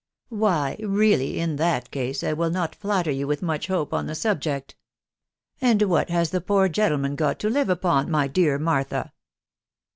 " Why, really, in that case, I will not flatter you with much hope on the subject. And what has the poor old gentle man got to live upon, my dear Martha?